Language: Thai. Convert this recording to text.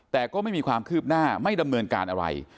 แต่ก็ไม่มีความคืบหน้าไม่ดำเนินการอะไร